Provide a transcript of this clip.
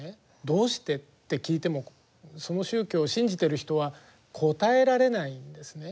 「どうして？」って聞いてもその宗教を信じてる人は答えられないんですね。